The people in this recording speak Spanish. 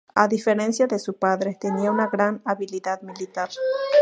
A diferencia de su padre, tenía una gran habilidad militar.